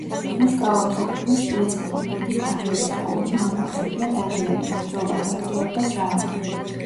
მის კალამს ეკუთვნის პიესები: „ბედი ქართლისა“, „ორი მამა“, „ცოტნე დადიანი“, „ბრძოლა“, „დატრიალდა ჯარა“.